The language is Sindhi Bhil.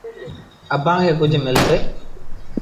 اڀآنٚ کي ڪجھ ملسي